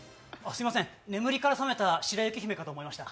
すいません、眠りから覚めた白雪姫かと思いました。